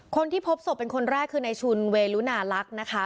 คนที่พบศพเป็นคนแรกคือในชุนเวลุนาลักษณ์นะคะ